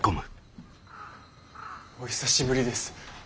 お久しぶりです